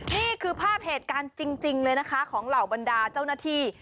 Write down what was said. นี่คือภาพเหตุการณ์จริงเลยนะคะของเหล่าบรรดาเจ้าหน้าที่